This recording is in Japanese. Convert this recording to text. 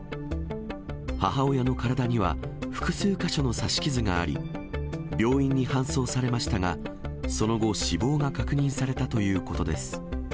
母親の体には、複数箇所の刺し傷があり、病院に搬送されましたが、その後、死亡が確認されたということです。